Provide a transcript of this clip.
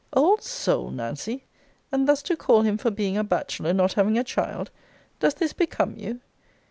Old soul, Nancy! And thus to call him for being a bachelor, not having a child! Does this become you?